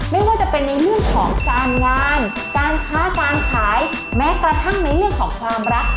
ไม่ว่าจะเป็นในเรื่องของการงานการค้าการขายแม้กระทั่งในเรื่องของความรัก